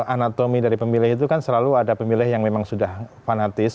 anatomi dari pemilih itu kan selalu ada pemilih yang memang sudah fanatis